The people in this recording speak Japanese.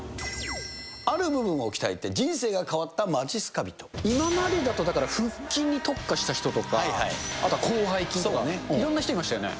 ある部分を鍛えて人生が変わった今までだと、だから腹筋に特化した人とか、あとは広背筋とか、いろんな人いましたよね。